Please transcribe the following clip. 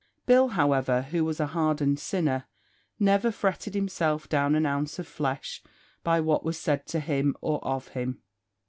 Bill, however, who was a hardened sinner, never fretted himself down an ounce of flesh by what was said to him, or of him.